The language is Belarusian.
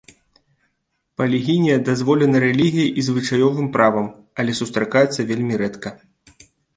Палігінія дазволена рэлігіяй і звычаёвым правам, але сустракаецца вельмі рэдка.